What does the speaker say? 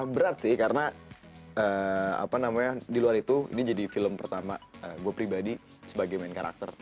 berat sih karena apa namanya di luar itu ini jadi film pertama gue pribadi sebagai main karakter